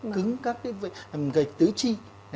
cứng các cái tứ chi